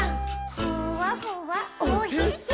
「ふわふわおへそ」